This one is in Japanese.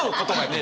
ね